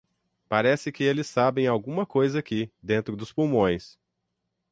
Parece que eles sabem alguma coisa aqui, dentro dos pulmões.